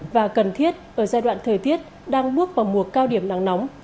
và cần thiết ở giai đoạn thời tiết đang bước vào mùa cao điểm nắng nóng